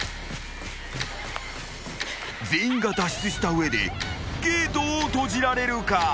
［全員が脱出した上でゲートを閉じられるか？］